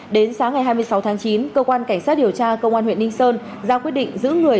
đến sáng ngày hai mươi sáu tháng chín cơ quan cảnh sát điều tra công an huyện ninh sơn ra quyết định giữ người